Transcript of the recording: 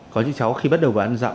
có những cháu khi bắt đầu vào ăn rậm